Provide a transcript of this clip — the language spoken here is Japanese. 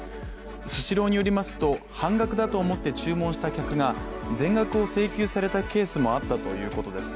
スシローによりますと半額だと思って注文した客が全額を請求されたケースもあったということです。